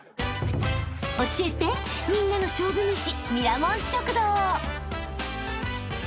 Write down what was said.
［教えてみんなの勝負めし］